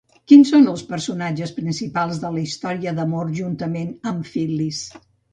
Quins són els personatges principals de la història d'amor juntament amb Fil·lis?